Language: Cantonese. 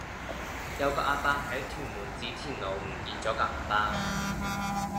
有個亞伯喺屯門紫田路唔見左個銀包